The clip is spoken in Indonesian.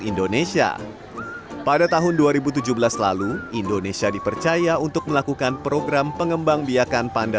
indonesia pada tahun dua ribu tujuh belas lalu indonesia dipercaya untuk melakukan program pengembang biakan panda